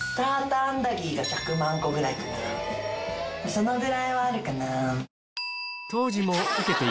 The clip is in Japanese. そのぐらいはあるかな。